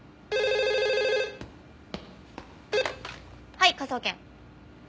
はい科捜研。